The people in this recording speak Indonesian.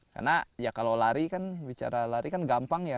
karena ya kalau lari kan bicara lari kan gampang ya